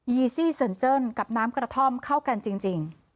ีซี่เซ็นเจิ้นกับน้ำกระท่อมเข้ากันจริง